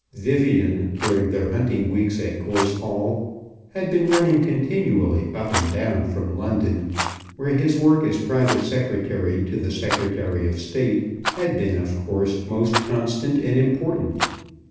Vivian during their hunting weeks at Gorse Hall had been running continually up and down from London, where his work as private secretary to the Secretary of State had been, of course, most constant and important.